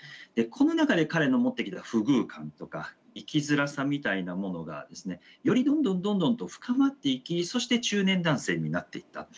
この中で彼の持ってきた不遇感とか生きづらさみたいなものがですねよりどんどんどんどんと深まっていきそして中年男性になっていった。